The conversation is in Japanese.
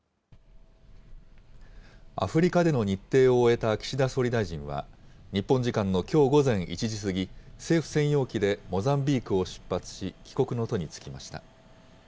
アフリカでの日程を終えた岸田総理大臣は、日本時間のきょう午前１時過ぎ、政府専用機でモザンビークを出発し、帰国の途に就きました。